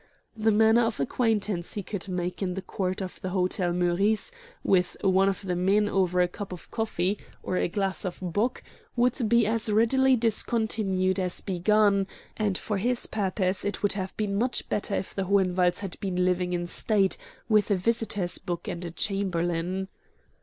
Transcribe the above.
The manner of acquaintance he could make in the court of the Hotel Meurice with one of the men over a cup of coffee or a glass of bock would be as readily discontinued as begun, and for his purpose it would have been much better if the Hohenwalds had been living in state with a visitors' book and a chamberlain.